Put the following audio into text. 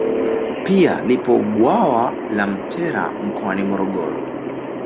Pia lipo bwawa la Mtera mkoani Morogoro